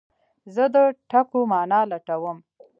زه د ټکو مانا لټوم.